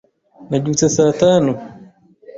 Nabyutse saa tanu.